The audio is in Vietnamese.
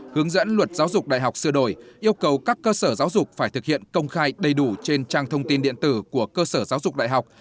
hướng dẫn luật giáo dục đại học sửa đổi yêu cầu các cơ sở giáo dục phải thực hiện công khai đầy đủ trên trang thông tin điện tử của cơ sở giáo dục đại học